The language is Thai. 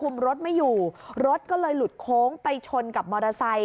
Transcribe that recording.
รถไม่อยู่รถก็เลยหลุดโค้งไปชนกับมอเตอร์ไซค